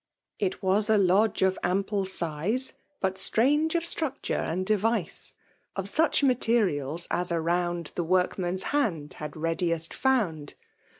^ It was a lodge of ample size, But strange of stnicture and device ; Of soch material! at around .l*he workman's hand had readiest found.